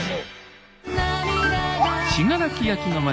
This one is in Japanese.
信楽焼の町